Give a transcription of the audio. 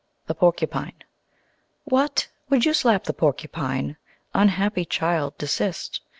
The Porcupine What! would you slap the Porcupine? Unhappy child desist!